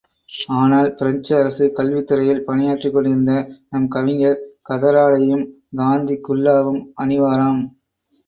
ஆனால், பிரெஞ்சு அரசுக் கல்வித்துறையில் பணியாற்றிக் கொண்டிருந்த நம் கவிஞர் கதராடையும் காந்தி குல்லாவும் அணிவாராம்.